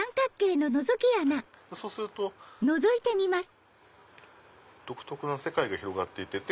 そうすると独特な世界が広がっていて。